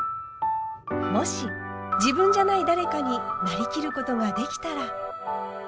もし自分じゃない誰かになりきることができたら。